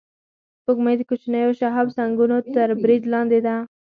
سپوږمۍ د کوچنیو شهابسنگونو تر برید لاندې ده